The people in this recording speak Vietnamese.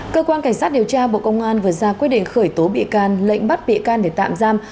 cơ quan cảnh sát điều tra bộ công an vừa ra quyết định khởi tố bị can lệnh bắt bị can để tạm giam